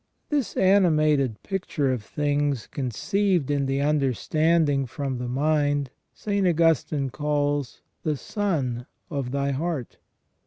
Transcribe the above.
This animated picture of things conceived in the understanding from the mind, St. Augustine calls "the son of thy heart